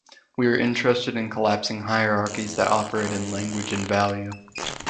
We are interested in collapsing hierarchies that operate in language and value.